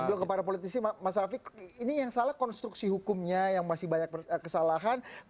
sebelum kepada politisi mas afiq ini yang salah konstruksi hukumnya yang masih banyak kesalahan